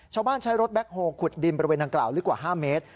ใช้รถแบ็คโฮลขุดดินบริเวณดังกล่าวลึกกว่า๕เมตร